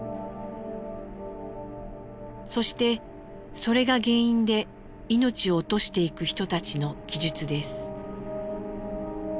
そしてそれが原因で命を落としていく人たちの記述です。